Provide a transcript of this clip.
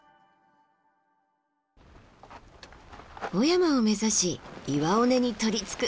雄山を目指し岩尾根にとりつく。